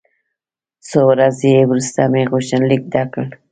څو ورځې وروسته مې غوښتنلیک ډک کړ.